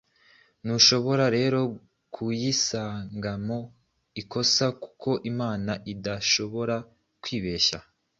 ntushobora rero kuyisangamo ikosa kuko Imana idashobora kwibeshya